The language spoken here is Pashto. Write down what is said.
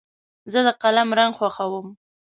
زه د قلم رنګ خوښوم.